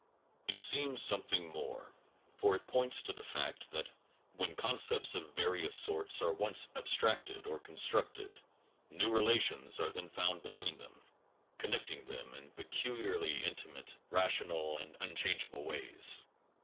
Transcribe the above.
It seems something more, for it points to the fact that when concepts of various sorts are once abstracted or constructed, new relations are then found between them, connecting them in peculiarly intimate, rational, and unchange able ways.